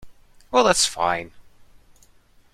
Well, that's fine.